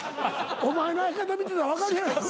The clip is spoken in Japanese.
お前の相方見てたら分かるやろ。